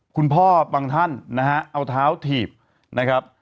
บางท่านนะฮะเอาเท้าถีบนะครับ